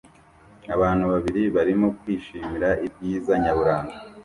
Abantu babiri barimo kwishimira ibyiza nyaburanga